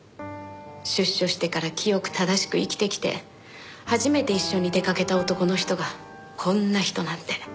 出所してから清く正しく生きてきて初めて一緒に出かけた男の人がこんな人なんて。